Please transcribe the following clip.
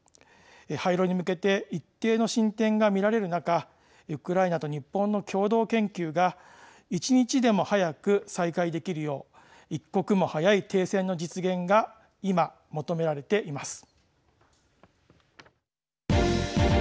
廃炉に向けて一定の進展が見られる中ウクライナと日本の共同研究が一日でも早く再開できるよう一刻も早い停戦の実現が今、求められています。